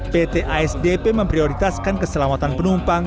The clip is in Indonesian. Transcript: pt asdp memprioritaskan keselamatan penumpang